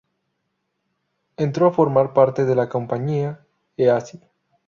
Entró a formar parte de la Compañía Easy.